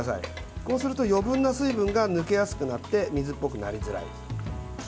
こうすると余分な水分が抜けやすくなって水っぽくなりづらい。